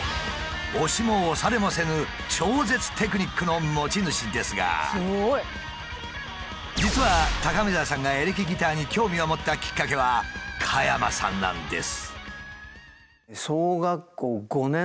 押しも押されもせぬ超絶テクニックの持ち主ですが実は高見沢さんがエレキギターに興味を持ったきっかけは加山さんなんです。